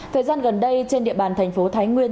thời gian gần đây trên địa bàn thành phố thái nguyên